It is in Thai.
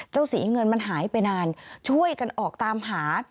สีเงินมันหายไปนานช่วยกันออกตามหา